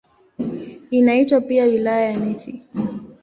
Inaitwa pia "Wilaya ya Nithi".